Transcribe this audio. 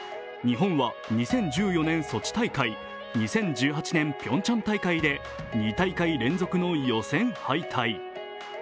日本は２０１４年ソチ大会、２０１８年ピョンチャン大会２大会連続で予選敗退。